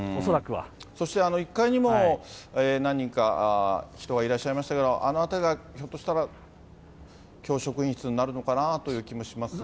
そして１階にも何人か、人がいらっしゃいましたけど、あの辺りが、ひょっとしたら教職員室になるのかなという気もしますが。